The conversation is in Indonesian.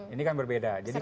ini kan berbeda